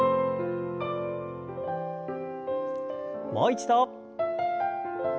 もう一度。